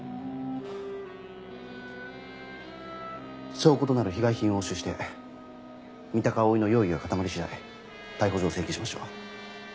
証拠となる被害品を押収して三鷹蒼の容疑が固まり次第逮捕状を請求しましょう。